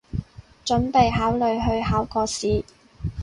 準備考慮去考個試